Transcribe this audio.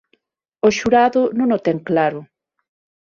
O xurado non o ten claro.